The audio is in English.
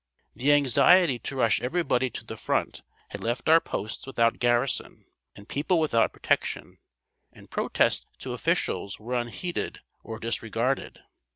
The anxiety to rush everybody to the front had left our posts without garrison, and people without protection, and protests to officials were unheeded or disregarded.